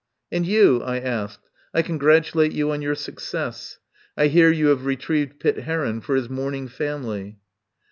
"And you?" I asked. "I congratulate you on your success. I hear you have retrieved Pitt Heron for his mourning family."